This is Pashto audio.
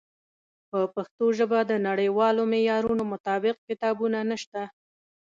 په پښتو ژبه د نړیوالو معیارونو مطابق کتابونه نشته.